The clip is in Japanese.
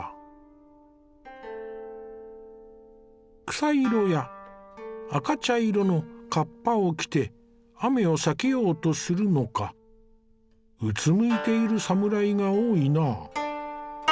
草色や赤茶色の合羽を着て雨を避けようとするのかうつむいている侍が多いな。